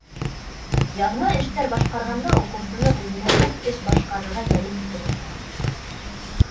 Яҙма эштәр башҡарғанда уҡыусыны үҙенә күп эш башҡарырға йәлеп итергә кәрәк.